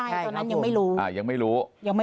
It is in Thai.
ใช่ตอนนั้นยังไม่รู้